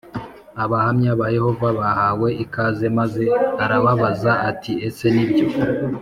Abahamya ba Yehova bahawe ikaze maze arababaza ati ese nibyo